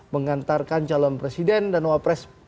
mengantarkan calon presiden dan wapres